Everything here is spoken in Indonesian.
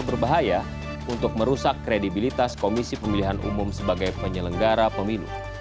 berbahaya untuk merusak kredibilitas komisi pemilihan umum sebagai penyelenggara pemilu